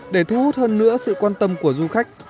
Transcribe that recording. để thu hút hơn nữa sự quan tâm của du khách